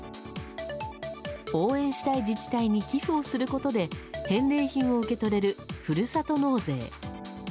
応援したい自治体に寄付をすることで返礼品を受け取れるふるさと納税。